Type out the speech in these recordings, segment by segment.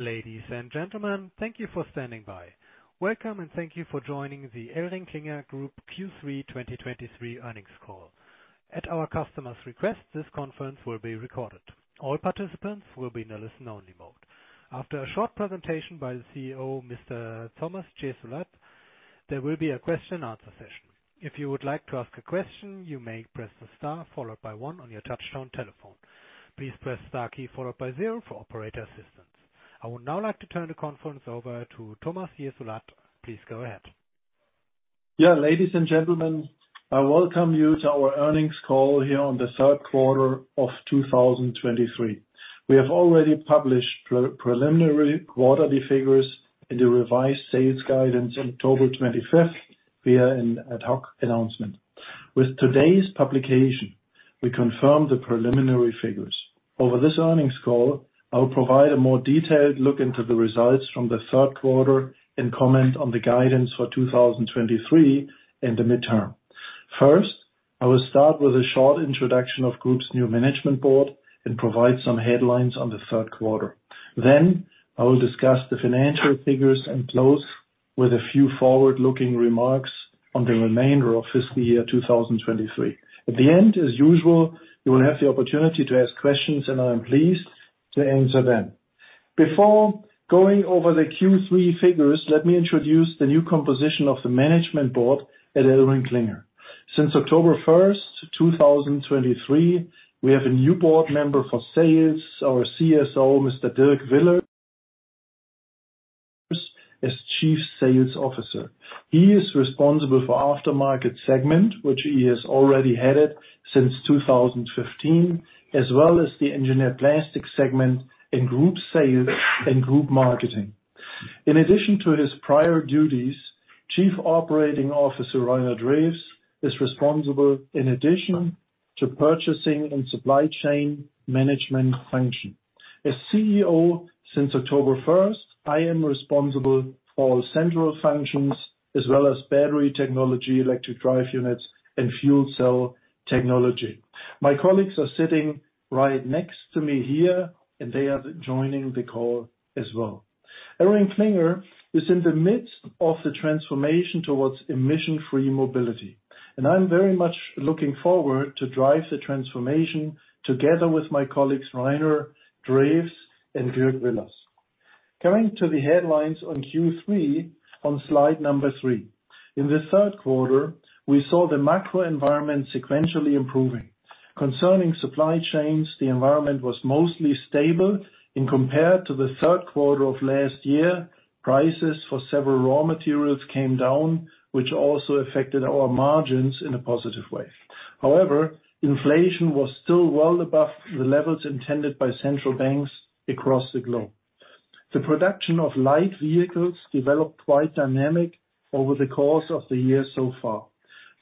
Ladies and gentlemen, thank you for standing by. Welcome, and thank you for joining the ElringKlinger Group Q3 2023 earnings call. At our customer's request, this conference will be recorded. All participants will be in a listen-only mode. After a short presentation by the CEO, Mr. Thomas Jessulat, there will be a question and answer session. If you would like to ask a question, you may press the star followed by one on your touchtone telephone. Please press star key followed by zero for operator assistance. I would now like to turn the conference over to Thomas Jessulat. Please go ahead. Yeah, ladies and gentlemen, I welcome you to our earnings call here on the third quarter of 2023. We have already published preliminary quarterly figures in the revised sales guidance on October 25, via an ad hoc announcement. With today's publication, we confirm the preliminary figures. Over this earnings call, I will provide a more detailed look into the results from the third quarter and comment on the guidance for 2023 and the midterm. First, I will start with a short introduction of the group's new management board and provide some headlines on the third quarter. Then, I will discuss the financial figures and close with a few forward-looking remarks on the remainder of fiscal year 2023. At the end, as usual, you will have the opportunity to ask questions, and I am pleased to answer them. Before going over the Q3 figures, let me introduce the new composition of the management board at ElringKlinger. Since October 1, 2023, we have a new board member for sales, our CSO, Mr. Dirk Willers, as Chief Sales Officer. He is responsible for Aftermarket segment, which he has already headed since 2015, as well as the engineered plastics segment in group sales and group marketing. In addition to his prior duties, Chief Operating Officer, Reiner Drews, is responsible in addition to purchasing and supply chain management function. As CEO, since October 1, I am responsible for all central functions, as well as Battery Technology, Electric Drive Units, and Fuel Cell Technology. My colleagues are sitting right next to me here, and they are joining the call as well. ElringKlinger is in the midst of the transformation towards emission-free mobility, and I'm very much looking forward to drive the transformation together with my colleagues, Reiner Drews and Dirk Willers. Coming to the headlines on Q3, on slide number three. In the third quarter, we saw the macro environment sequentially improving. Concerning supply chains, the environment was mostly stable, and compared to the third quarter of last year, prices for several raw materials came down, which also affected our margins in a positive way. However, inflation was still well above the levels intended by central banks across the globe. The production of light vehicles developed quite dynamic over the course of the year so far.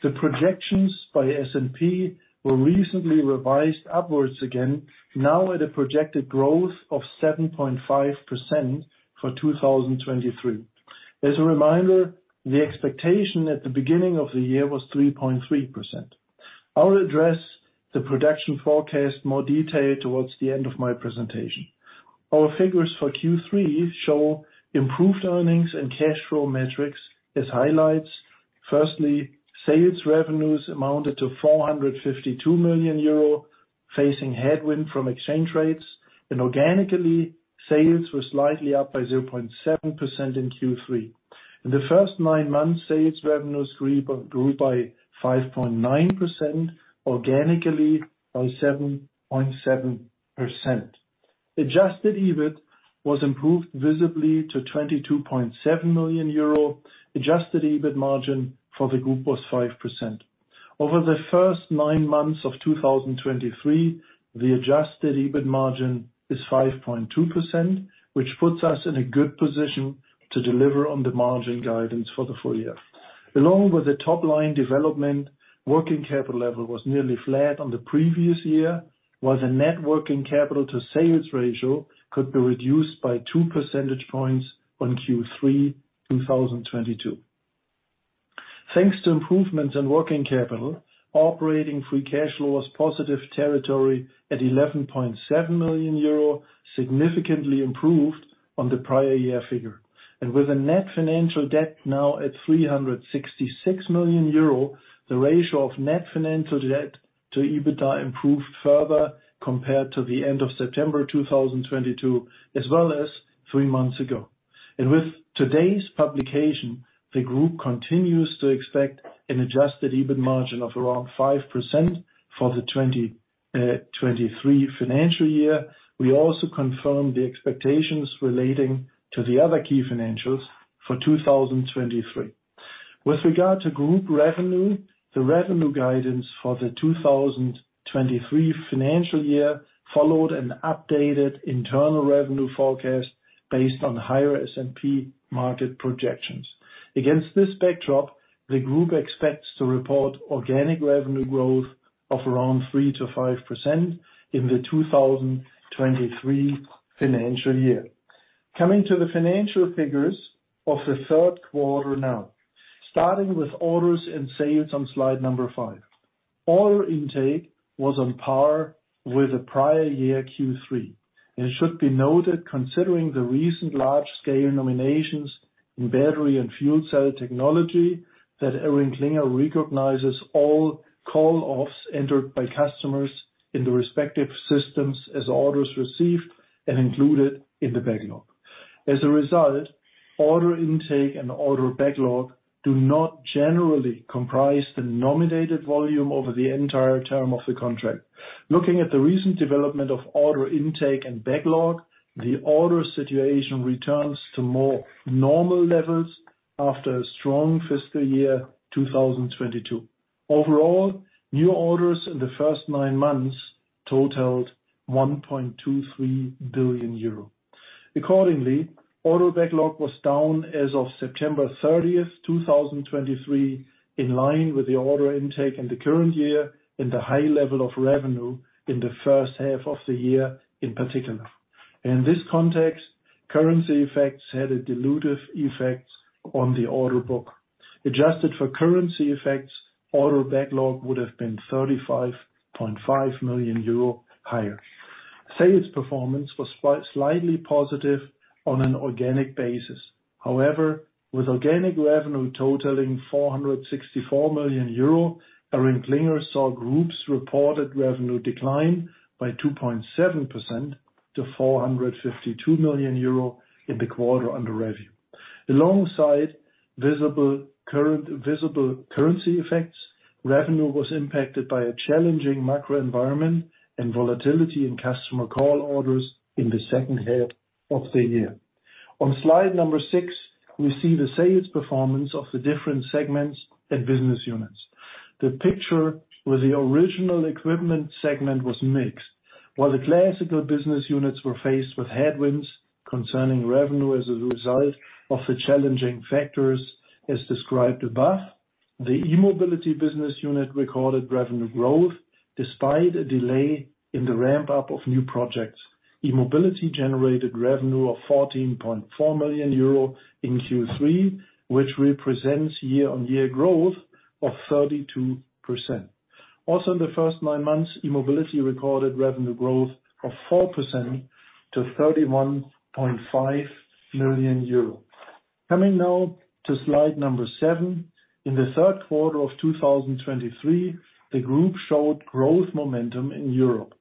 The projections by S&P were recently revised upwards again, now at a projected growth of 7.5% for 2023. As a reminder, the expectation at the beginning of the year was 3.3%. I'll address the production forecast more detailed towards the end of my presentation. Our figures for Q3 show improved earnings and cash flow metrics as highlights. Firstly, sales revenues amounted to 452 million euro, facing headwind from exchange rates, and organically, sales were slightly up by 0.7% in Q3. In the first nine months, sales revenues grew, grew by 5.9%, organically by 7.7%. Adjusted EBIT was improved visibly to 22.7 million euro. Adjusted EBIT margin for the group was 5%. Over the first nine months of 2023, the adjusted EBIT margin is 5.2%, which puts us in a good position to deliver on the margin guidance for the full year. Along with the top line development, working capital level was nearly flat on the previous year, while the net working capital to sales ratio could be reduced by two percentage points on Q3 2022. Thanks to improvements in working capital, operating free cash flow was positive territory at 11.7 million euro, significantly improved on the prior year figure. With a net financial debt now at 366 million euro, the ratio of net financial debt to EBITDA improved further compared to the end of September 2022, as well as three months ago. With today's publication, the group continues to expect an adjusted EBIT margin of around 5% for the 2023 financial year. We also confirm the expectations relating to the other key financials for 2023. With regard to group revenue, the revenue guidance for the 2023 financial year followed an updated internal revenue forecast based on higher S&P market projections. Against this backdrop, the group expects to report organic revenue growth of around 3%-5% in the 2023 financial year. Coming to the financial figures of the third quarter now. Starting with orders and sales on slide number five. Order intake was on par with the prior year Q3, and it should be noted, considering the recent large-scale nominations in Battery and Fuel Cell Technology, that ElringKlinger recognizes all call-offs entered by customers in the respective systems as orders received and included in the backlog. As a result, order intake and order backlog do not generally comprise the nominated volume over the entire term of the contract. Looking at the recent development of order intake and backlog, the order situation returns to more normal levels after a strong fiscal year, 2022. Overall, new orders in the first nine months totaled 1.23 billion euro. Accordingly, order backlog was down as of September 30th, 2023, in line with the order intake in the current year and the high level of revenue in the first half of the year, in particular. In this context, currency effects had a dilutive effect on the order book. Adjusted for currency effects, order backlog would have been 35.5 million euro higher. Sales performance was slightly positive on an organic basis. However, with organic revenue totaling 464 million euro, ElringKlinger saw group's reported revenue decline by 2.7% to 452 million euro in the quarter under review. Alongside visible currency effects, revenue was impacted by a challenging macro environment and volatility in customer call-offs in the second half of the year. On slide number six, we see the sales performance of the different segments and business units. The picture with the Original Equipment segment was mixed. While the Classical business units were faced with headwinds concerning revenue as a result of the challenging factors as described above, the E-Mobility business unit recorded revenue growth, despite a delay in the ramp-up of new projects. E-Mobility generated revenue of 14.4 million euro in Q3, which represents year-on-year growth of 32%. Also, in the first nine months, E-Mobility recorded revenue growth of 4% to 31.5 million euro. Coming now to slide seven. In the third quarter of 2023, the group showed growth momentum in Europe.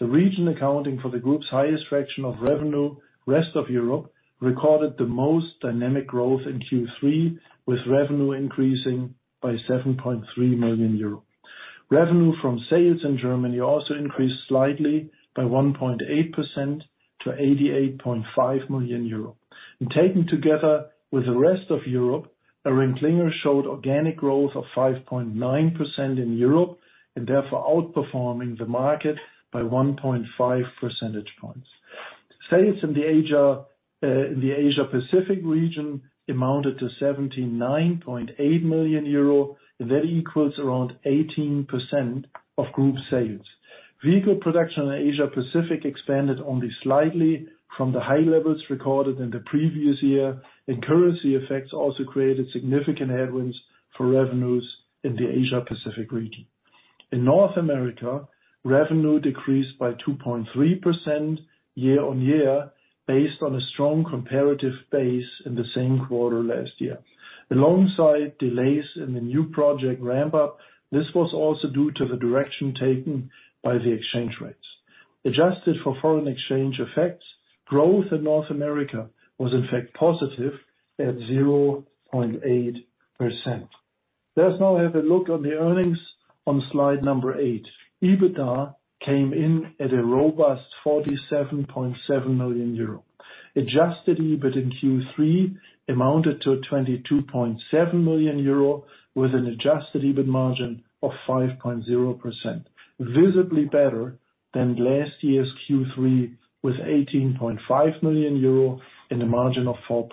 The region accounting for the group's highest fraction of revenue, rest of Europe, recorded the most dynamic growth in Q3, with revenue increasing by 7.3 million euro. Revenue from sales in Germany also increased slightly by 1.8% to 88.5 million euro. And taken together with the rest of Europe, ElringKlinger showed organic growth of 5.9% in Europe, and therefore, outperforming the market by 1.5 percentage points. Sales in the Asia, in the Asia-Pacific region amounted to 79.8 million euro, and that equals around 18% of group sales. Vehicle production in Asia-Pacific expanded only slightly from the high levels recorded in the previous year, and currency effects also created significant headwinds for revenues in the Asia-Pacific region. In North America, revenue decreased by 2.3% year-on-year, based on a strong comparative base in the same quarter last year. Alongside delays in the new project ramp-up, this was also due to the direction taken by the exchange rates. Adjusted for foreign exchange effects, growth in North America was, in fact, positive at 0.8%. Let's now have a look on the earnings on slide number eight. EBITDA came in at a robust 47.7 million euro. Adjusted EBIT in Q3 amounted to 22.7 million euro, with an adjusted EBIT margin of 5.0%, visibly better than last year's Q3, with 18.5 million euro and a margin of 4%.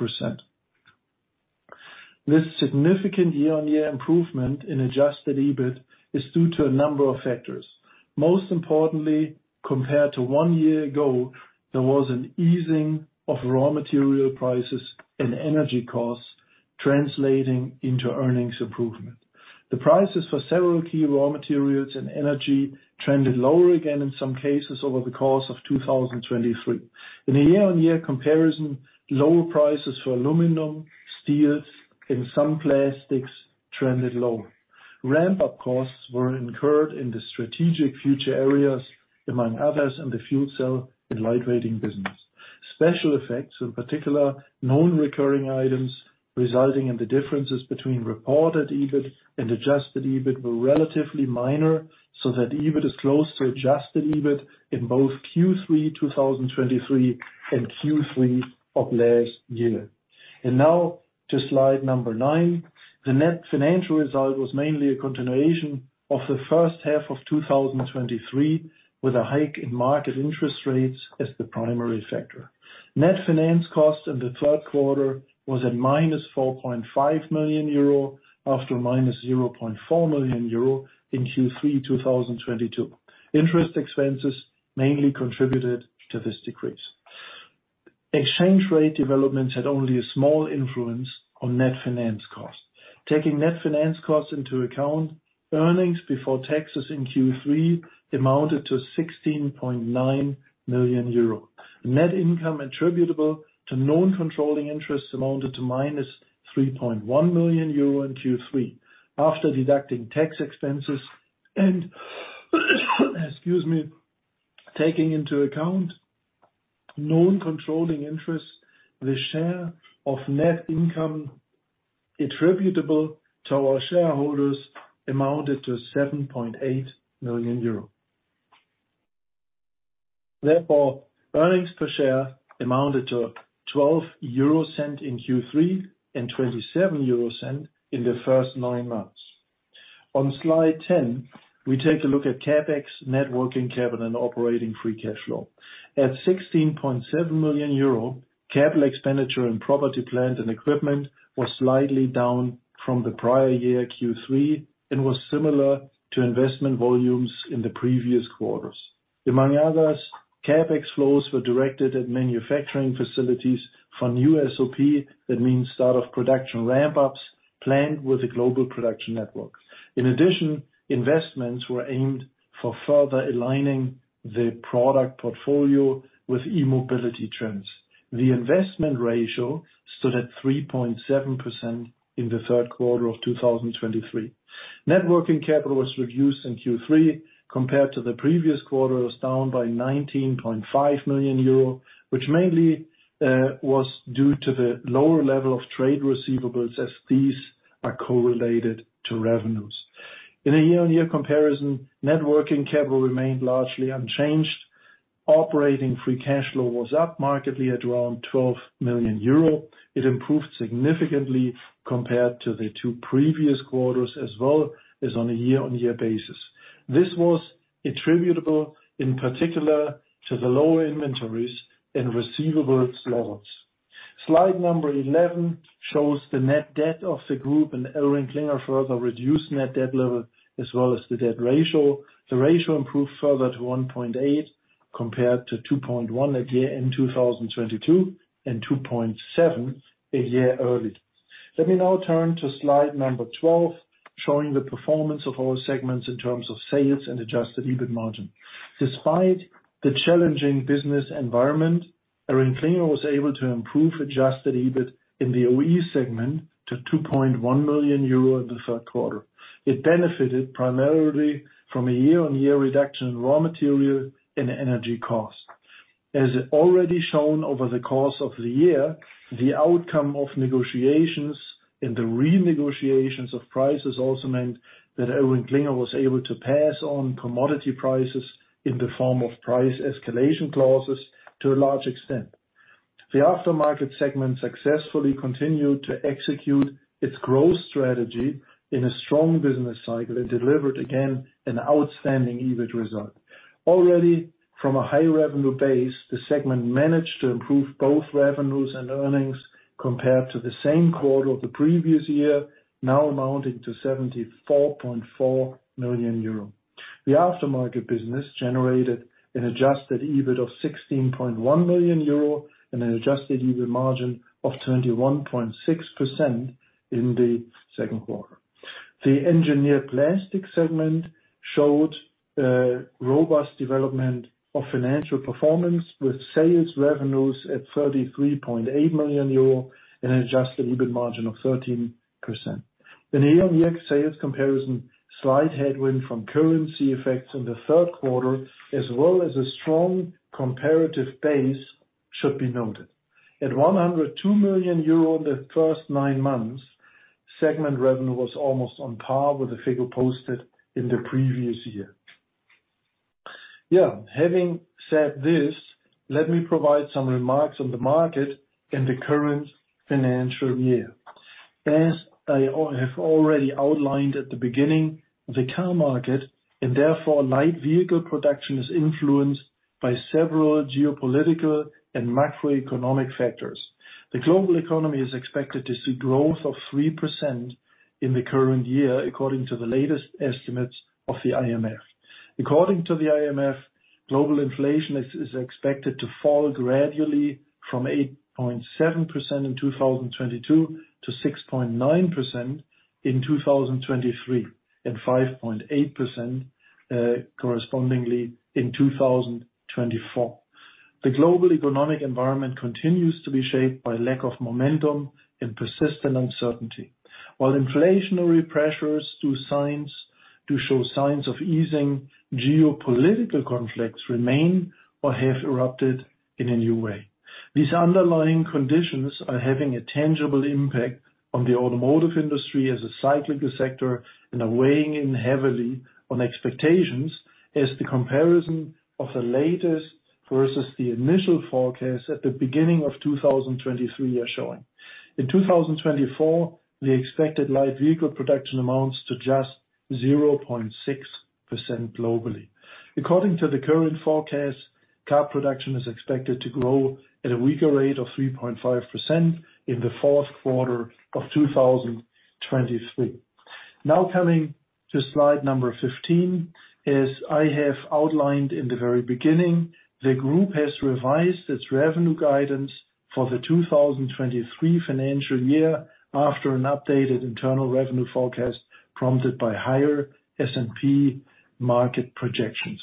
This significant year-on-year improvement in adjusted EBIT is due to a number of factors. Most importantly, compared to one year ago, there was an easing of raw material prices and energy costs, translating into earnings improvement. The prices for several key raw materials and energy trended lower again, in some cases, over the course of 2023. In a year-on-year comparison, lower prices for aluminum, steels, and some plastics trended lower. Ramp-up costs were incurred in the strategic future areas, among others, in the Fuel Cell and Light Weighting business. Special effects, in particular, non-recurring items, resulting in the differences between reported EBIT and adjusted EBIT, were relatively minor, so that EBIT is close to adjusted EBIT in both Q3 2023 and Q3 of last year. Now to slide nine. The net financial result was mainly a continuation of the first half of 2023, with a hike in market interest rates as the primary factor. Net finance cost in the third quarter was at -4.5 million euro, after -0.4 million euro in Q3 2022. Interest expenses mainly contributed to this decrease. Exchange rate developments had only a small influence on net finance costs. Taking net finance costs into account, earnings before taxes in Q3 amounted to 16.9 million euro. Net income attributable to non-controlling interests amounted to -3.1 million euro in Q3, after deducting tax expenses and, excuse me, taking into account non-controlling interests, the share of net income attributable to our shareholders amounted to 7.8 million euros. Therefore, earnings per share amounted to 0.12 in Q3, and 0.27 in the first nine months. On slide 10, we take a look at CapEx, net working capital, and operating free cash flow. At 16.7 million euro, capital expenditure and property, plant, and equipment was slightly down from the prior year Q3 and was similar to investment volumes in the previous quarters. Among others, CapEx flows were directed at manufacturing facilities for new SOP, that means start of production ramp-ups, planned with the global production network. In addition, investments were aimed for further aligning the product portfolio with E-Mobility trends. The investment ratio stood at 3.7% in the third quarter of 2023. Net working capital was reduced in Q3 compared to the previous quarters, down by 19.5 million euro, which mainly was due to the lower level of trade receivables, as these are correlated to revenues. In a year-on-year comparison, net working capital remained largely unchanged. Operating free cash flow was up markedly at around 12 million euro. It improved significantly compared to the two previous quarters, as well as on a year-on-year basis. This was attributable, in particular, to the lower inventories and receivables levels. Slide number 11 shows the net debt of the group, and ElringKlinger further reduced net debt level, as well as the debt ratio. The ratio improved further to 1.8x, compared to 2.1x a year in 2022, and 2.7x a year earlier. Let me now turn to slide 12, showing the performance of our segments in terms of sales and adjusted EBIT margin. Despite the challenging business environment, ElringKlinger was able to improve adjusted EBIT in the OE segment to 2.1 million euro in the third quarter. It benefited primarily from a year-on-year reduction in raw material and energy costs. As already shown over the course of the year, the outcome of negotiations and the renegotiations of prices also meant that ElringKlinger was able to pass on commodity prices in the form of price escalation clauses to a large extent. The Aftermarket segment successfully continued to execute its growth strategy in a strong business cycle and delivered, again, an outstanding EBIT result. Already from a high revenue base, the segment managed to improve both revenues and earnings compared to the same quarter of the previous year, now amounting to 74.4 million euro. The Aftermarket business generated an adjusted EBIT of 16.1 million euro and an adjusted EBIT margin of 21.6% in the second quarter. The Engineered Plastics segment showed robust development of financial performance, with sales revenues at 33.8 million euro and an adjusted EBIT margin of 13%. In the AM's sales comparison, slight headwind from currency effects in the third quarter, as well as a strong comparative base, should be noted. At 102 million euro in the first nine months, segment revenue was almost on par with the figure posted in the previous year. Yeah, having said this, let me provide some remarks on the market in the current financial year. As I have already outlined at the beginning, the car market, and therefore light vehicle production, is influenced by several geopolitical and macroeconomic factors. The global economy is expected to see growth of 3% in the current year, according to the latest estimates of the IMF. According to the IMF, global inflation is expected to fall gradually from 8.7% in 2022 to 6.9% in 2023, and 5.8% correspondingly in 2024. The global economic environment continues to be shaped by lack of momentum and persistent uncertainty. While inflationary pressures do show signs of easing, geopolitical conflicts remain or have erupted in a new way. These underlying conditions are having a tangible impact on the automotive industry as a cyclical sector, and are weighing in heavily on expectations, as the comparison of the latest versus the initial forecast at the beginning of 2023 are showing. In 2024, the expected light vehicle production amounts to just 0.6% globally. According to the current forecast, car production is expected to grow at a weaker rate of 3.5% in the fourth quarter of 2023. Now coming to slide number 15. As I have outlined in the very beginning, the group has revised its revenue guidance for the 2023 financial year after an updated internal revenue forecast, prompted by higher S&P market projections.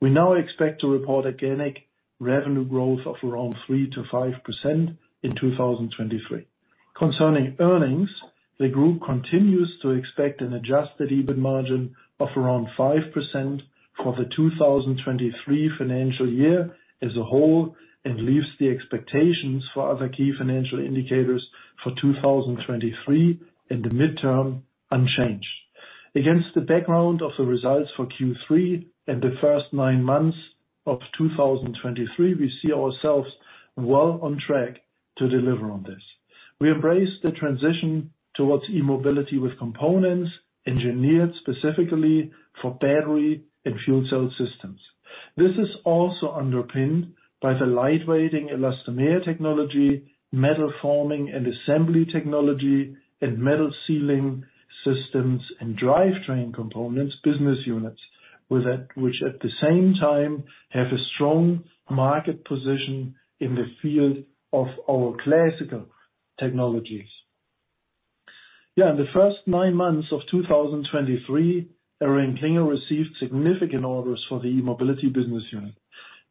We now expect to report organic revenue growth of around 3%-5% in 2023. Concerning earnings, the group continues to expect an adjusted EBIT margin of around 5% for the 2023 financial year as a whole, and leaves the expectations for other key financial indicators for 2023 and the midterm unchanged. Against the background of the results for Q3 and the first nine months of 2023, we see ourselves well on track to deliver on this. We embrace the transition towards E-Mobility with components engineered specifically for Battery and Fuel Cell Systems. This is also underpinned by the Lightweighting Elastomer Technology, Metal Forming & Assembly Technology, and Metal Sealing Systems and Drivetrain Components business units, which at the same time have a strong market position in the field of our Classical technologies. In the first nine months of 2023, ElringKlinger received significant orders for the E-Mobility business unit.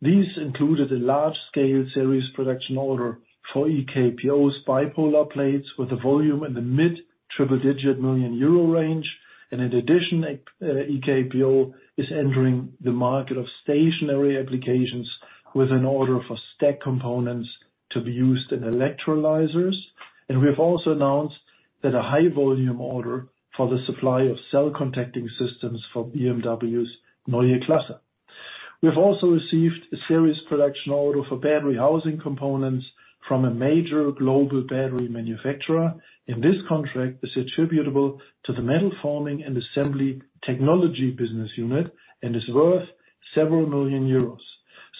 These included a large-scale series production order for EKPO's bipolar plates, with a volume in the mid-triple-digit million euro range. In addition, EKPO is entering the market of stationary applications with an order for stack components to be used in electrolyzers. We have also announced a high-volume order for the supply of Cell Contacting Systems for BMW's Neue Klasse. We've also received a serious production order for battery housing components from a major global battery manufacturer, and this contract is attributable to the Metal Forming & Assembly Technology business unit and is worth several million euros.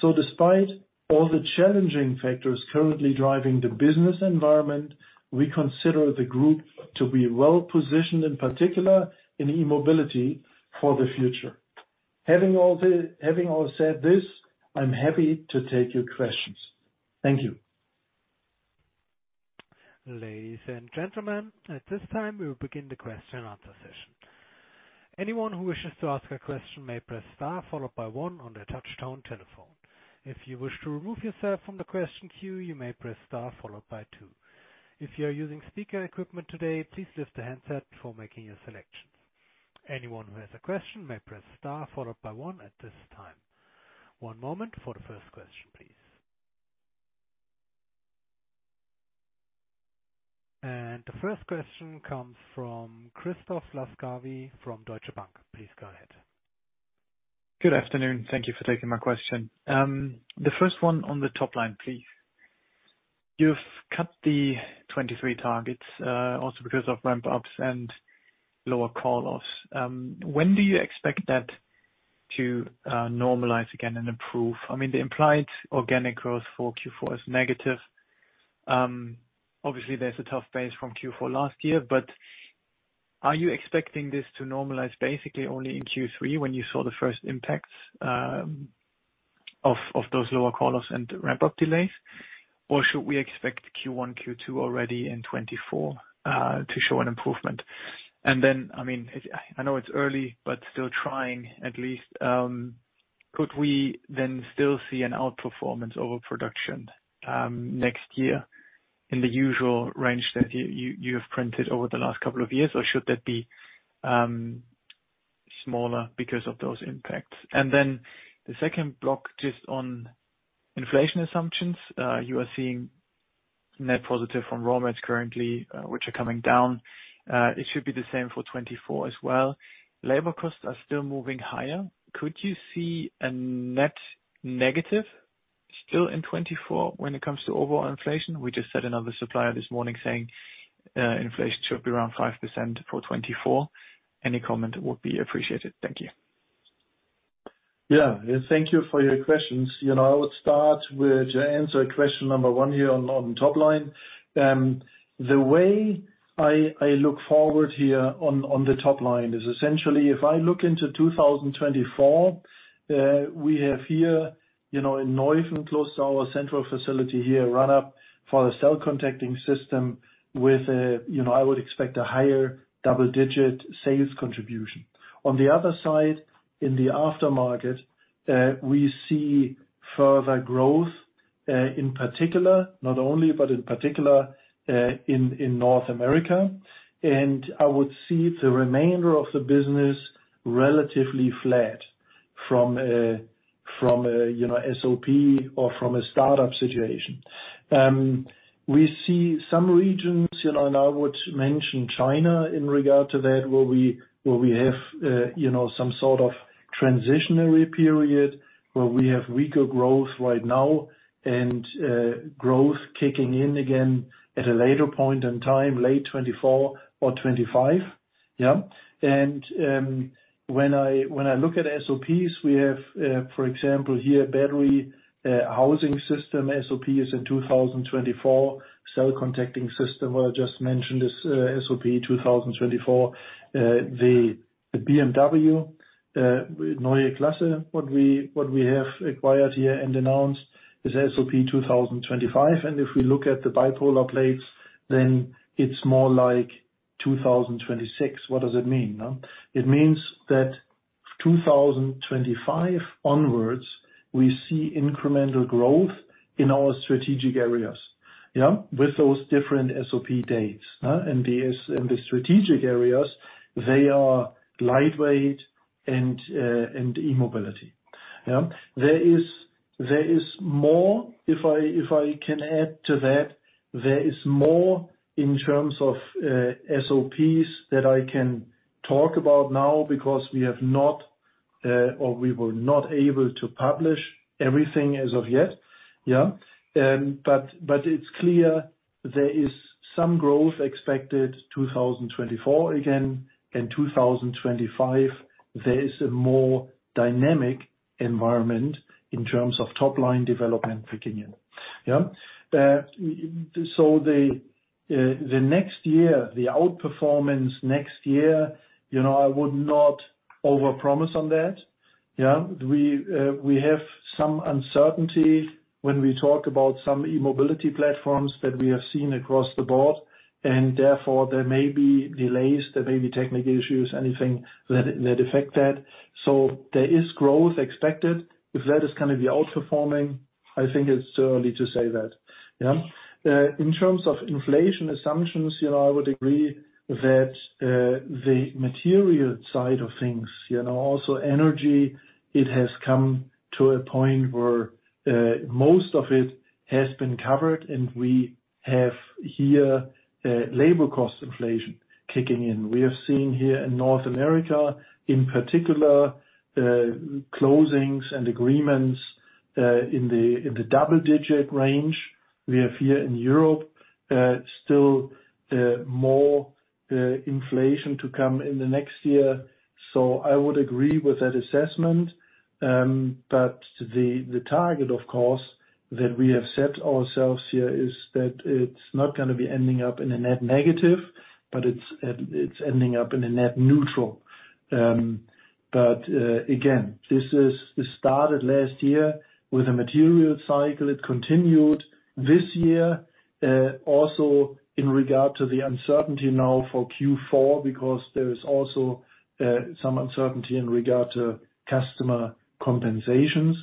So despite all the challenging factors currently driving the business environment, we consider the group to be well positioned, in particular in E-Mobility for the future. Having said all this, I'm happy to take your questions. Thank you. Ladies and gentlemen, at this time, we will begin the question and answer session. Anyone who wishes to ask a question may press star, followed by one on their touchtone telephone. If you wish to remove yourself from the question queue, you may press star followed by two. If you are using speaker equipment today, please lift the handset before making your selections. Anyone who has a question may press star, followed by one at this time. One moment for the first question, please. The first question comes from Christoph Laskawi from Deutsche Bank. Please go ahead. Good afternoon. Thank you for taking my question. The first one on the top line, please. You've cut the 2023 targets, also because of ramp-ups and lower call-offs. When do you expect that to normalize again and improve? I mean, the implied organic growth for Q4 is negative. Obviously, there's a tough base from Q4 last year, but are you expecting this to normalize basically only in Q3, when you saw the first impacts of those lower call-offs and ramp-up delays? Or should we expect Q1, Q2 already in 2024 to show an improvement? And then, I mean, I know it's early, but still trying at least, could we then still see an outperformance over production next year in the usual range that you have printed over the last couple of years? Or should that be smaller because of those impacts? And then the second block, just on inflation assumptions. You are seeing net positive from raw materials currently, which are coming down. It should be the same for 2024 as well. Labor costs are still moving higher. Could you see a net negative still in 2024 when it comes to overall inflation? We just had another supplier this morning saying inflation should be around 5% for 2024. Any comment would be appreciated. Thank you. Yeah, thank you for your questions. You know, I would start with, to answer question number one here on top line. The way I look forward here on the top line is essentially, if I look into 2024, we have here, you know, in Neuffen, close to our central facility here, run up for the Cell Contacting System with a, you know, I would expect a higher double-digit sales contribution. On the other side, in the Aftermarket, we see further growth, in particular, not only, but in particular, in North America. And I would see the remainder of the business relatively flat from a, you know, SOP or from a start-up situation. We see some regions, you know, and I would mention China in regard to that, where we have, you know, some sort of transitionary period, where we have weaker growth right now and growth kicking in again at a later point in time, late 2024 or 2025. When I look at SOPs, we have, for example, here, Battery Housing System SOP is in 2024. Cell Contacting System, I just mentioned, is SOP 2024. The BMW Neue Klasse, what we have acquired here and announced, is SOP 2025. And if we look at the bipolar plates, then it's more like 2026. What does it mean, huh? It means that 2025 onwards, we see incremental growth in our strategic areas, yeah, with those different SOP dates, huh? And the strategic areas, they are Lightweight and E-Mobility. Yeah. There is more, if I can add to that, there is more in terms of SOPs that I can talk about now because we have not or we were not able to publish everything as of yet. Yeah. But it's clear there is some growth expected 2024, again, in 2025, there is a more dynamic environment in terms of top-line development beginning. Yeah. So the next year, the outperformance next year, you know, I would not overpromise on that. Yeah. We, we have some uncertainty when we talk about some E-Mobility platforms that we have seen across the board, and therefore, there may be delays, there may be technical issues, anything that, that affect that. So there is growth expected. If that is gonna be outperforming, I think it's too early to say that. Yeah. In terms of inflation assumptions, you know, I would agree that, the material side of things, you know, also energy, it has come to a point where, most of it has been covered, and we have here, labor cost inflation kicking in. We have seen here in North America, in particular, closings and agreements, in the double-digit range. We have here in Europe, still, more, inflation to come in the next year. So I would agree with that assessment. But the target, of course, that we have set ourselves here, is that it's not gonna be ending up in a net negative, but it's ending up in a net neutral. Again, this started last year with a material cycle. It continued this year, also in regard to the uncertainty now for Q4, because there is also some uncertainty in regard to customer compensations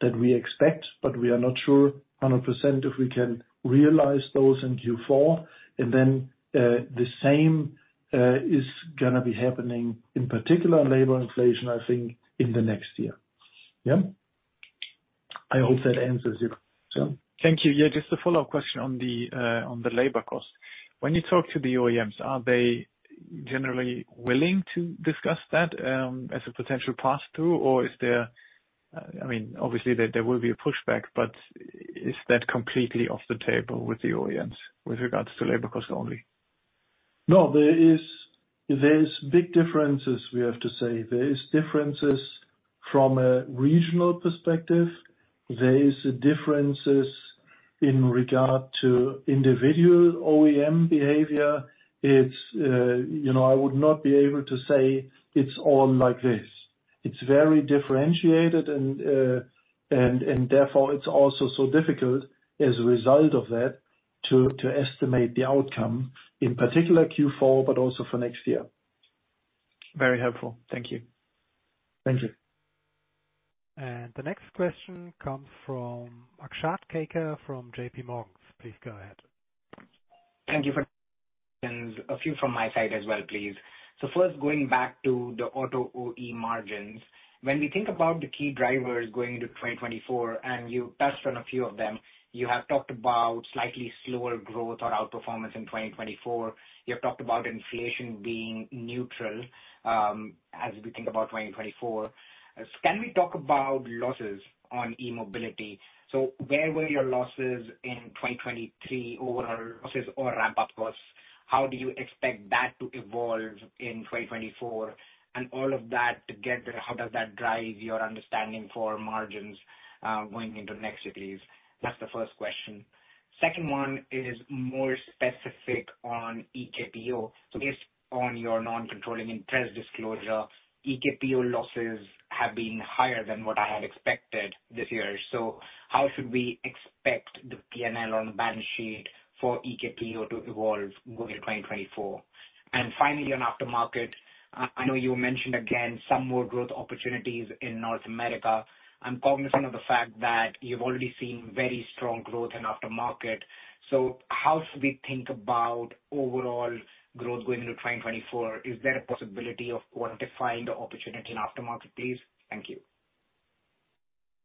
that we expect, but we are not sure 100% if we can realize those in Q4. And then, the same is gonna be happening, in particular, labor inflation, I think, in the next year. Yeah? I hope that answers it. Christoph? Thank you. Yeah, just a follow-up question on the labor cost. When you talk to the OEMs, are they generally willing to discuss that as a potential pass-through? Or is there... I mean, obviously, there will be a pushback, but is that completely off the table with the OEMs, with regards to labor cost only? No, there is big differences, we have to say. There is differences from a regional perspective. There is differences in regard to individual OEM behavior. It's, you know, I would not be able to say, "It's all like this." It's very differentiated, and therefore, it's also so difficult as a result of that, to estimate the outcome, in particular Q4, but also for next year. Very helpful. Thank you. Thank you. The next question comes from Akshat Kacker from JPMorgan. Please go ahead. Thank you for... A few from my side as well, please. So first, going back to the Auto OE margins. When we think about the key drivers going into 2024, and you touched on a few of them, you have talked about slightly slower growth or outperformance in 2024. You have talked about inflation being neutral, as we think about 2024. Can we talk about losses on E-Mobility? So where were your losses in 2023, overall losses or ramp-up costs? How do you expect that to evolve in 2024? And all of that together, how does that drive your understanding for margins, going into next year, please? That's the first question. Second one is more specific on EKPO. So based on your non-controlling interest disclosure, EKPO losses have been higher than what I had expected this year. So how should we expect the P&L on the balance sheet for EKPO to evolve going into 2024? And finally, on Aftermarket, I, I know you mentioned, again, some more growth opportunities in North America. I'm cognizant of the fact that you've already seen very strong growth in Aftermarket. So how should we think about overall growth going into 2024? Is there a possibility of quantifying the opportunity in Aftermarket, please? Thank you.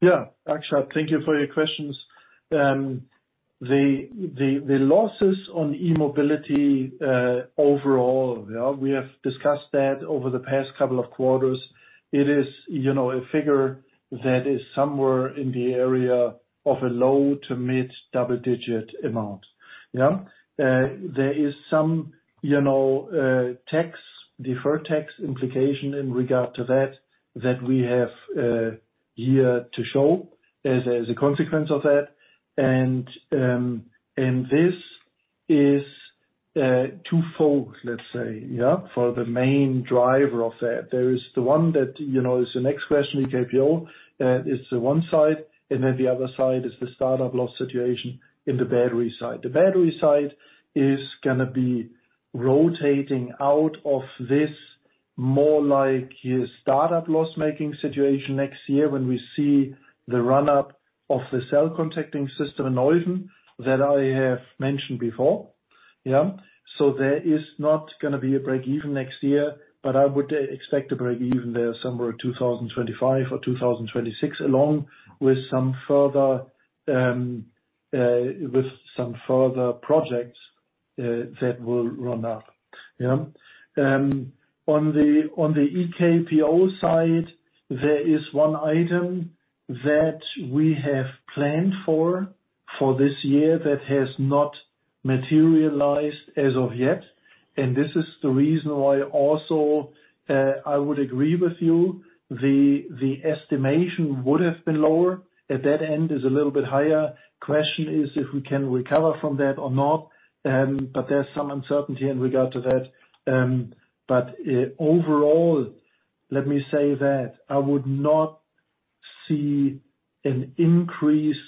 Yeah. Akshat, thank you for your questions. The losses on E-Mobility, overall, yeah, we have discussed that over the past couple of quarters. It is, you know, a figure that is somewhere in the area of a low to mid-double-digit amount. Yeah. There is some, you know, tax, deferred tax implication in regard to that... that we have here to show as a consequence of that. And this is, twofold, let's say, yeah, for the main driver of that. There is the one that, you know, is the next question, EKPO, is the one side, and then the other side is the startup loss situation in the Battery side. The Battery side is gonna be rotating out of this, more like your startup loss-making situation next year, when we see the run-up of the Cell Contacting System in Neuffen, that I have mentioned before. Yeah. So there is not gonna be a breakeven next year, but I would expect a breakeven there somewhere in 2025 or 2026, along with some further projects that will run up. Yeah. On the EKPO side, there is one item that we have planned for this year that has not materialized as of yet, and this is the reason why also I would agree with you, the estimation would have been lower; at that end is a little bit higher. Question is, if we can recover from that or not, but there's some uncertainty in regard to that. But, overall, let me say that I would not see an increased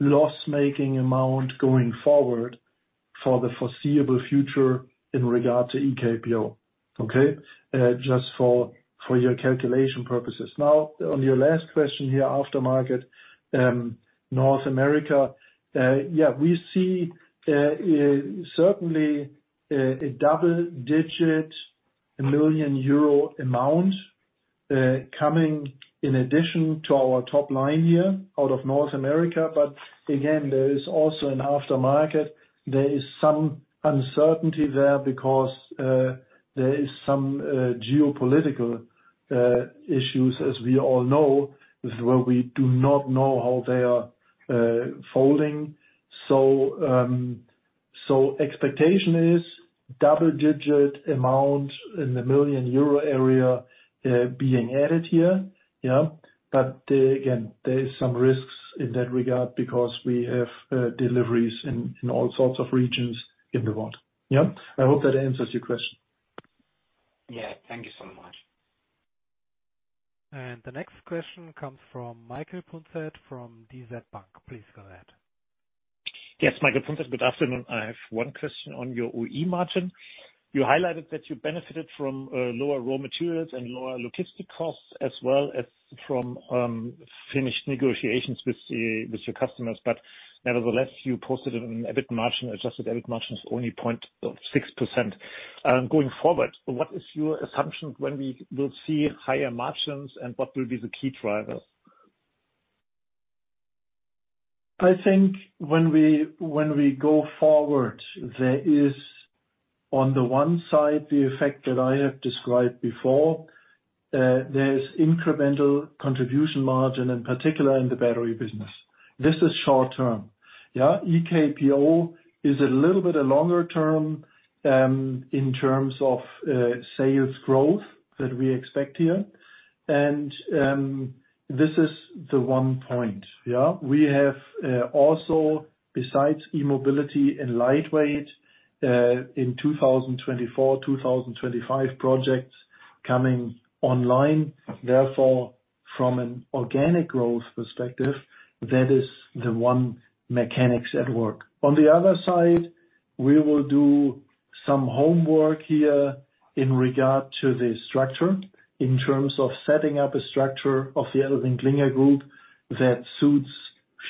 loss-making amount going forward for the foreseeable future in regard to EKPO, okay? Just for your calculation purposes. Now, on your last question here, Aftermarket, North America, yeah, we see, certainly, a double-digit million euro amount, coming in addition to our top line here out of North America. But again, there is also an Aftermarket. There is some uncertainty there because, there is some, geopolitical, issues, as we all know, where we do not know how they are, folding. So, expectation is double-digit amount in the million euro area, being added here. Yeah? But again, there is some risks in that regard because we have deliveries in all sorts of regions in the world. Yeah? I hope that answers your question. Yeah, thank you so much. The next question comes from Michael Punzet from DZ Bank. Please go ahead. Yes, Michael Punzet. Good afternoon. I have one question on your OE margin. You highlighted that you benefited from lower raw materials and lower logistic costs, as well as from finished negotiations with the, with your customers. But nevertheless, you posted an EBIT margin, adjusted EBIT margin of only 0.6%. Going forward, what is your assumption when we will see higher margins, and what will be the key drivers? I think when we go forward, there is, on the one side, the effect that I have described before, there is incremental contribution margin, in particular in the Battery business. This is short term, yeah. EKPO is a little bit a longer term, in terms of, sales growth that we expect here. And, this is the one point, yeah? We have, also, besides E-Mobility and Light Weighting, in 2024, 2025, projects coming online. Therefore, from an organic growth perspective, that is the one mechanics at work. On the other side, we will do some homework here in regard to the structure, in terms of setting up a structure of the ElringKlinger Group that suits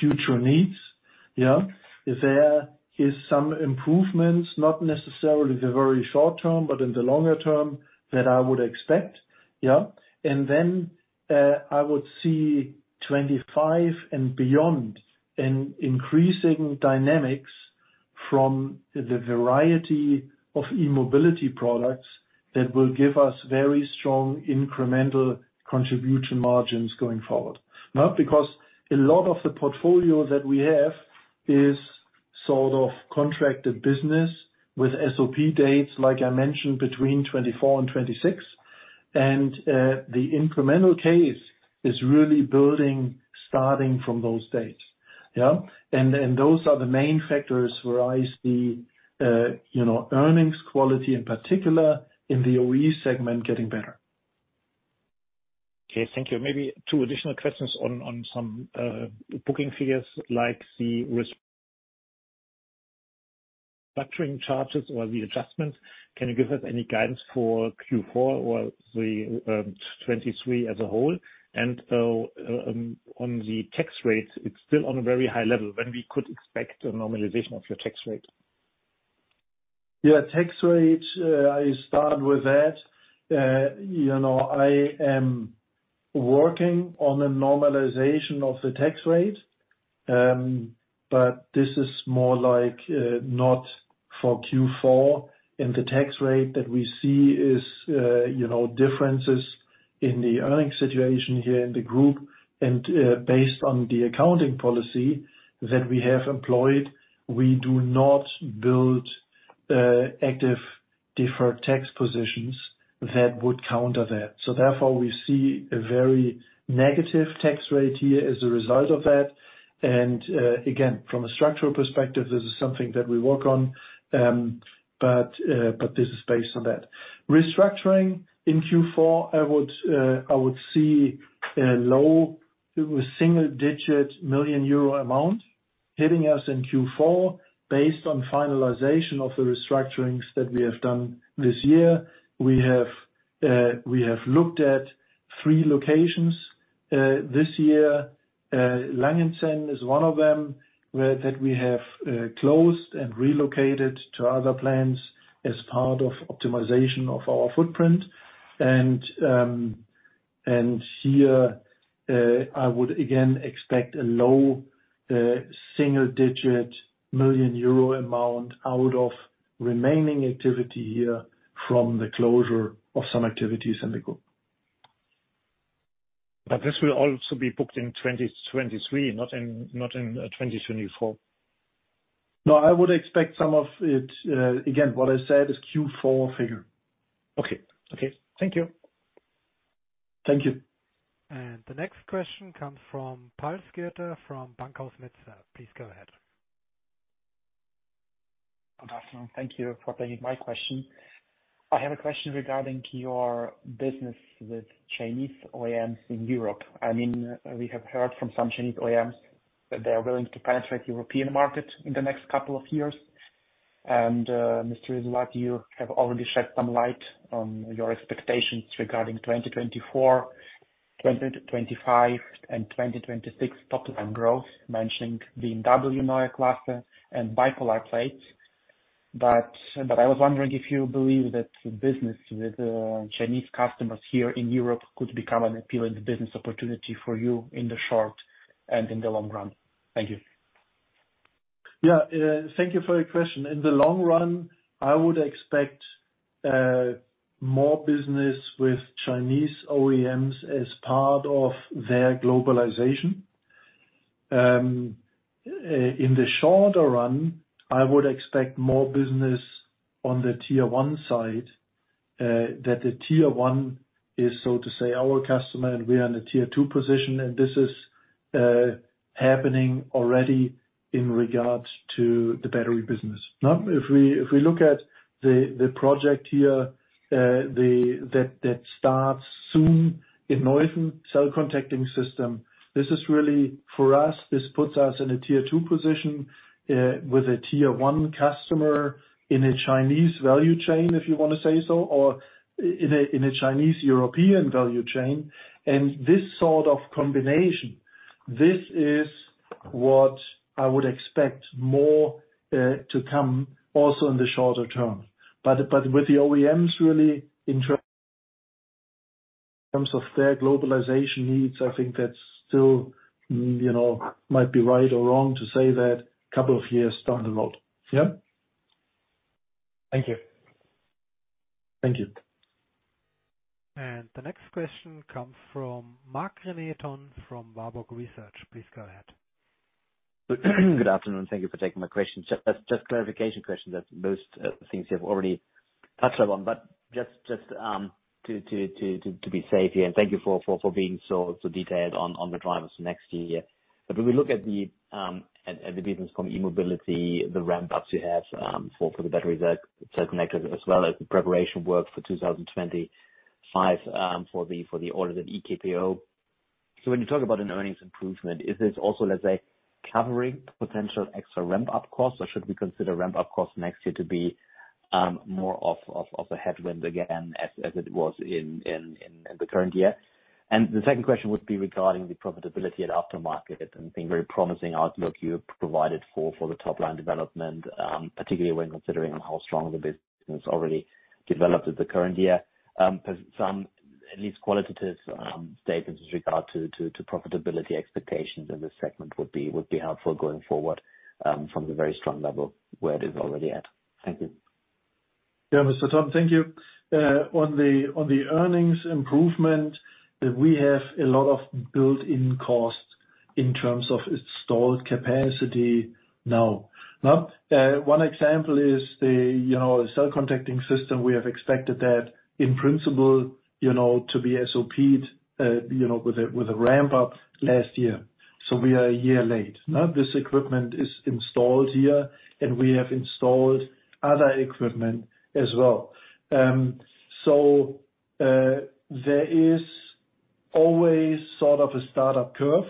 future needs, yeah. There is some improvements, not necessarily in the very short term, but in the longer term, that I would expect, yeah. And then, I would see 2025 and beyond, an increasing dynamics from the variety of E-Mobility products that will give us very strong incremental contribution margins going forward. Not because a lot of the portfolio that we have is sort of contracted business with SOP dates, like I mentioned, between 2024 and 2026. And, the incremental case is really building, starting from those dates. Yeah? And then those are the main factors where I see, you know, earnings quality, in particular in the OE segment, getting better. Okay, thank you. Maybe two additional questions on some booking figures, like the restructuring charges or the adjustments. Can you give us any guidance for Q4 or the 2023 as a whole? And on the tax rates, it's still on a very high level. When could we expect a normalization of your tax rate? Yeah, tax rate, I start with that. You know, I am working on a normalization of the tax rate, but this is more like, not for Q4. And the tax rate that we see is, you know, differences in the earning situation here in the group. And, based on the accounting policy that we have employed, we do not build active deferred tax positions that would counter that. So therefore, we see a very negative tax rate here as a result of that. And, again, from a structural perspective, this is something that we work on. But, but this is based on that. Restructuring in Q4, I would, I would see a low single-digit million euro amount hitting us in Q4, based on finalization of the restructurings that we have done this year. We have looked at three locations this year. Langenselbold is one of them, that we have closed and relocated to other plants as part of optimization of our footprint. And here, I would again expect a low single-digit million euro amount out of remaining activity here from the closure of some activities in the group. But this will also be booked in 2023, not in 2024? No, I would expect some of it. Again, what I said is Q4 figure. Okay. Okay, thank you. Thank you. The next question comes from Pal Skirta, from Bankhaus Metzler. Please go ahead. Good afternoon. Thank you for taking my question. I have a question regarding your business with Chinese OEMs in Europe. I mean, we have heard from some Chinese OEMs that they are willing to penetrate European market in the next couple of years. And, Mr. Jessulat, you have already shed some light on your expectations regarding 2024, 2025, and 2026 top-line growth, mentioning BMW Neue Klasse and bipolar plates. But I was wondering if you believe that the business with Chinese customers here in Europe could become an appealing business opportunity for you in the short and in the long run? Thank you. Yeah, thank you for your question. In the long run, I would expect more business with Chinese OEMs as part of their globalization. In the shorter run, I would expect more business on the tier one side, that the tier one is, so to say, our customer, and we are in a tier two position, and this is happening already in regards to the Battery business. Now, if we look at the project here, that starts soon in Cell Contacting System, this is really for us, this puts us in a tier two position with a tier one customer in a Chinese value chain, if you want to say so, or in a Chinese European value chain. This sort of combination, this is what I would expect more to come also in the shorter term. But with the OEMs really in terms of their globalization needs, I think that's still, you know, might be right or wrong to say that couple of years down the road. Yeah? Thank you. Thank you. The next question comes from Marc-René Tonn, from Warburg Research. Please go ahead. Good afternoon. Thank you for taking my question. Just clarification question that most things you've already touched upon, but just to be safe here, and thank you for being so detailed on the drivers next year. But when we look at the business from E-Mobility, the ramp-ups you have for the batteries that connected, as well as the preparation work for 2025 for the order of the EKPO. So when you talk about an earnings improvement, is this also, let's say, covering potential extra ramp-up costs, or should we consider ramp-up costs next year to be more of a headwind again, as it was in the current year? The second question would be regarding the profitability at Aftermarket, and being very promising outlook you provided for the top line development, particularly when considering on how strong the business already developed at the current year. Some, at least qualitative, statements with regard to profitability expectations in this segment would be helpful going forward, from the very strong level where it is already at. Thank you. Yeah, Mr. Tonn, thank you. On the earnings improvement, we have a lot of built-in costs in terms of installed capacity now. Now, one example is the, you know, Cell Contacting System. We have expected that in principle, you know, to be SOPs you know, with a ramp-up last year. So we are a year late. Now, this equipment is installed here, and we have installed other equipment as well. So, there is always sort of a startup curve.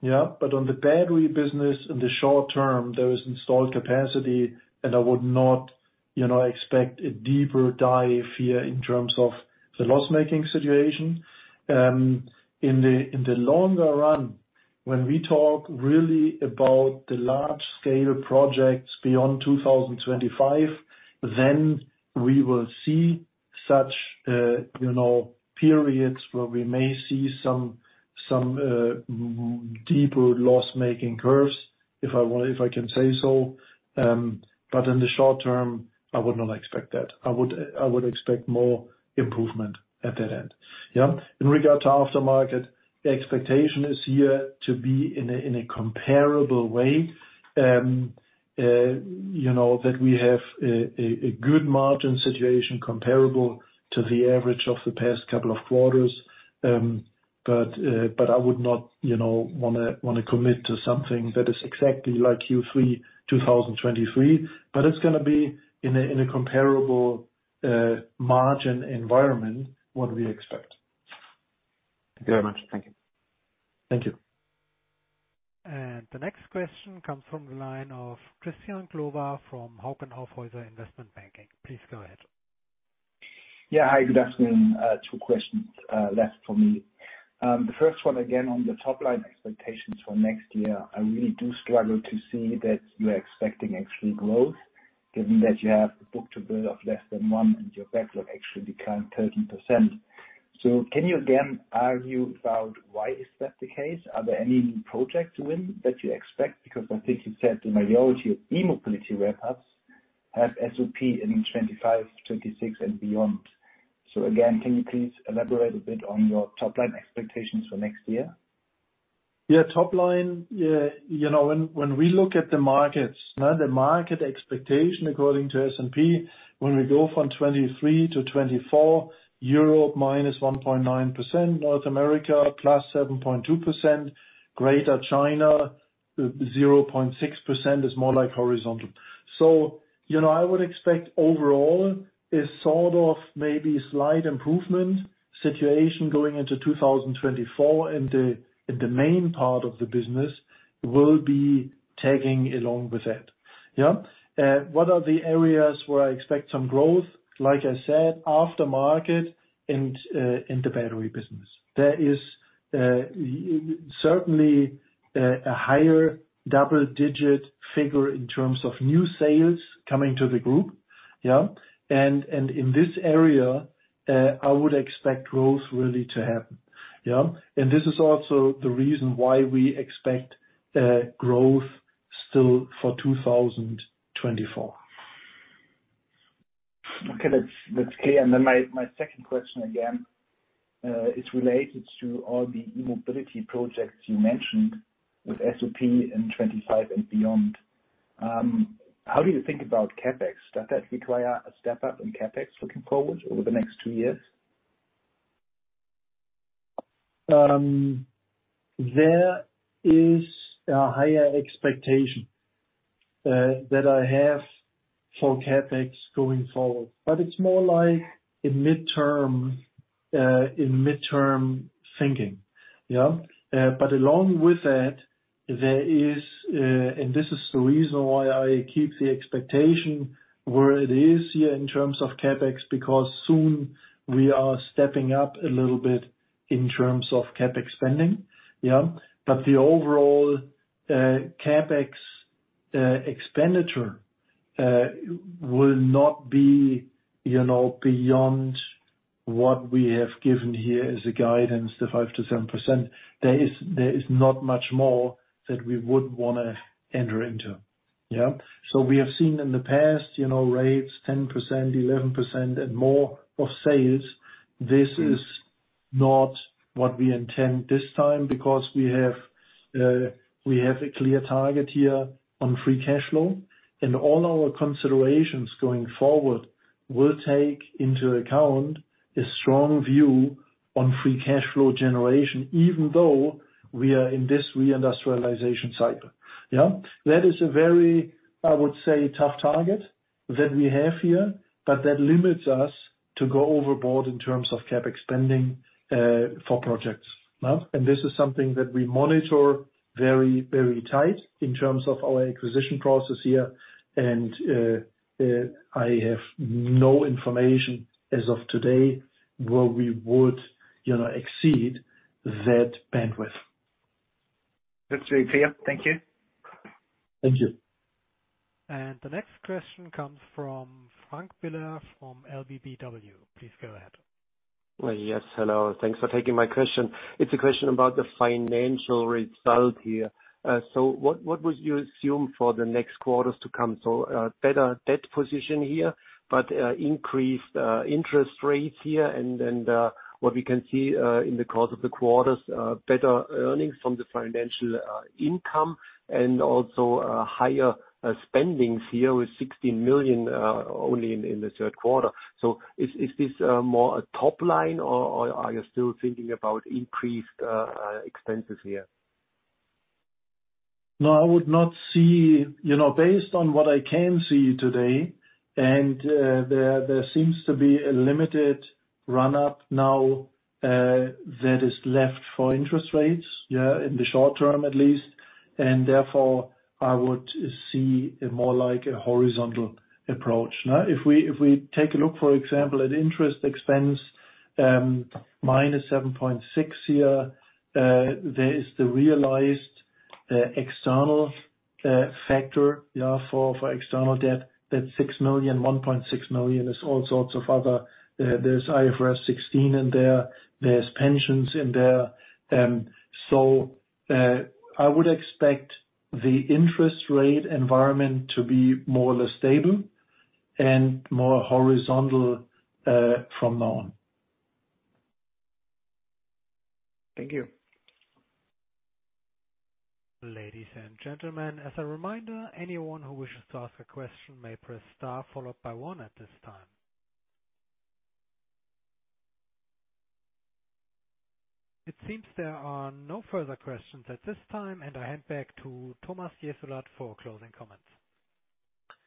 Yeah. But on the Battery business, in the short term, there is installed capacity, and I would not, you know, expect a deeper dive here in terms of the loss-making situation. In the longer run, when we talk really about the large-scale projects beyond 2025, then we will see such, you know, periods where we may see some deeper loss-making curves. If I want, if I can say so. But in the short term, I would not expect that. I would expect more improvement at that end. Yeah. In regard to Aftermarket, the expectation is here to be in a comparable way. You know, that we have a good margin situation comparable to the average of the past couple of quarters. But I would not, you know, wanna commit to something that is exactly like Q3 2023. But it's gonna be in a comparable margin environment, what we expect. Thank you very much. Thank you. Thank you. The next question comes from the line of Christian Glowa from Hauck Aufhäuser Investment Banking. Please go ahead. Yeah. Hi, good afternoon. Two questions left for me. The first one, again, on the top line expectations for next year. I really do struggle to see that you are expecting actually growth, given that you have a book-to-build of less than one, and your backlog actually declined 13%. So can you again argue about why is that the case? Are there any new projects to win that you expect? Because I think you said the majority of E-Mobility hub have SOP in 2025, 2026, and beyond. So again, can you please elaborate a bit on your top line expectations for next year? Yeah, top line, you know, when we look at the markets, now, the market expectation, according to SOP, when we go from 2023 to 2024, Europe, -1.9%, North America, +7.2%, Greater China, 0.6%, is more like horizontal. So, you know, I would expect overall, a sort of maybe slight improvement situation going into 2024, and the main part of the business will be tagging along with that. Yeah. What are the areas where I expect some growth? Like I said, Aftermarket and the Battery business. There is certainly a higher double-digit figure in terms of new sales coming to the group. Yeah. And in this area, I would expect growth really to happen. Yeah? This is also the reason why we expect growth still for 2024. Okay, that's, that's clear. And then my, my second question, again, is related to all the E-Mobility projects you mentioned with SOP in 2025 and beyond. How do you think about CapEx? Does that require a step up in CapEx looking forward over the next two years? There is a higher expectation that I have for CapEx going forward, but it's more like a midterm, a midterm thinking. But along with that, there is, and this is the reason why I keep the expectation where it is here in terms of CapEx, because soon we are stepping up a little bit in terms of CapEx spending. But the overall CapEx expenditure will not be, you know, beyond what we have given here as a guidance, the 5%-7%. There is not much more that we would wanna enter into. So we have seen in the past, you know, rates 10%, 11% and more of sales. This is not what we intend this time, because we have, we have a clear target here on free cash flow, and all our considerations going forward will take into account a strong view on free cash flow generation, even though we are in this reindustrialization cycle. Yeah? That is a very, I would say, tough target that we have here, but that limits us to go overboard in terms of CapEx spending, for projects. Now, and this is something that we monitor very, very tight in terms of our acquisition process here. And, I have no information as of today, where we would, you know, exceed that bandwidth. That's very clear. Thank you. Thank you. The next question comes from Frank Biller from LBBW. Please go ahead. Yes, hello. Thanks for taking my question. It's a question about the financial result here. So what would you assume for the next quarters to come? So, better debt position here, but increased interest rates here, and what we can see in the course of the quarters, better earnings from the financial income, and also higher spending here with 16 million only in the third quarter. So is this more a top line, or are you still thinking about increased expenses here? No, I would not see... You know, based on what I can see today, there seems to be a limited run-up now that is left for interest rates, yeah, in the short term at least. And therefore, I would see a more like a horizontal approach, now. If we take a look, for example, at interest expense, -7.6 million here, there is the realized external factor, yeah, for external debt. That's 6 million, 1.6 million, is all sorts of other... There's IFRS 16 in there, there's pensions in there. So, I would expect the interest rate environment to be more or less stable and more horizontal, from now on. Thank you. Ladies and gentlemen, as a reminder, anyone who wishes to ask a question may press star followed by one at this time. It seems there are no further questions at this time, and I hand back to Thomas Jessulat for closing comments.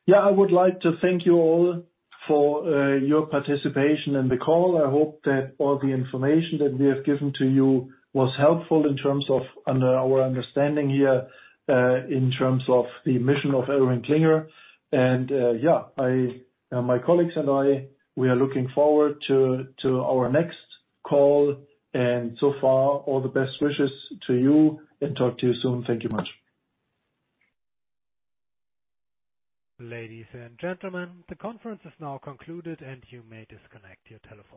Yeah, I would like to thank you all for your participation in the call. I hope that all the information that we have given to you was helpful in terms of our understanding here in terms of the mission of ElringKlinger. And yeah, my colleagues and I, we are looking forward to our next call. And so far, all the best wishes to you and talk to you soon. Thank you much. Ladies and gentlemen, the conference is now concluded, and you may disconnect your telephone.